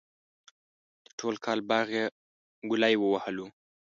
د ټول کال باغ یې گلی ووهلو.